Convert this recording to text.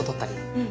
うん。